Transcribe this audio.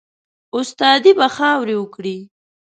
استادي به خاوري وکړې